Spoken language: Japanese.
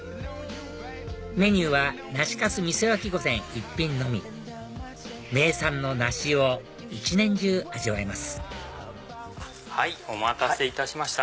メニューは梨粕みそ焼き御膳一品のみ名産の梨を一年中味わえますお待たせいたしました